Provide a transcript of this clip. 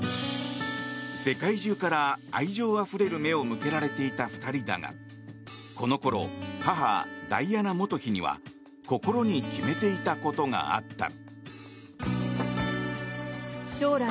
世界中から愛情あふれる目を向けられていた２人だがこのころ、母ダイアナ元妃には心に決めていたことがあった。